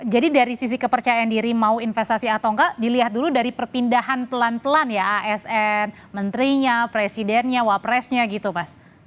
jadi dari sisi kepercayaan diri mau investasi atau enggak dilihat dulu dari perpindahan pelan pelan ya asn menterinya presidennya wapresnya gitu pak